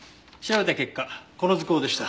調べた結果この塗香でした。